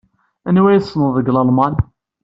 Anwa ay tessneḍ deg Lalman?